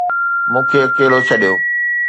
مون کي اڪيلو ڇڏيو